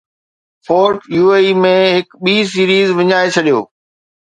fort U A E ۾ هڪ ٻي series وڃائي ڇڏيو